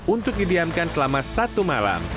untuk didiamkan selama satu malam